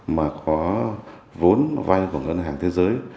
mà có vốn vay của ngân hàng thế giới